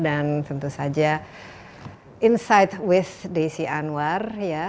dan tentu saja insight with desi anwar